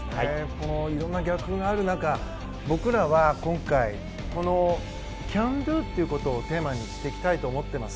色んな逆風がある中僕らは今回このＣＡＮＤＯということをテーマにしていきたいと思います。